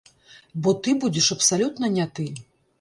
Бо ты будзеш абсалютна не ты.